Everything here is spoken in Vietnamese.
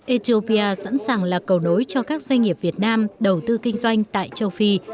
ethiopia sẵn sàng là cầu nối cho các doanh nghiệp việt nam đầu tư kinh doanh tại châu phi